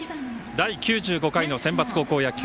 第９５回のセンバツ高校野球。